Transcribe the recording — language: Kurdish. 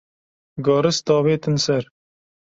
garis davêtin ser